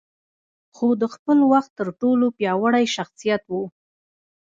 خو د خپل وخت تر ټولو پياوړی شخصيت و.